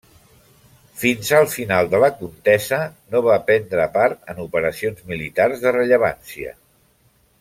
Fins al final de la contesa no va prendre part en operacions militars de rellevància.